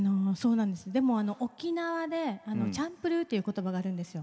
でも、沖縄でチャンプルーっていうことばがあるんですよ。